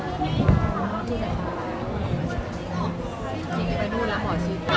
อันนี้มันเป็นอันนที่เกี่ยวกับเมืองที่เราอยู่ในประเทศอเมริกา